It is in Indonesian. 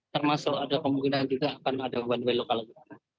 termasuk ada kemungkinan juga akan ada one way lokal juga